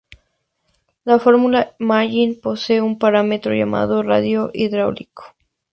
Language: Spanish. La fórmula de Manning posee un parámetro llamado radio hidráulico.